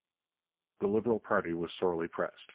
The Liberal party was sorely pressed.